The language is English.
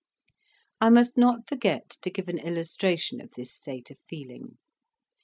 I must not forget to give an illustration of this state of feeling.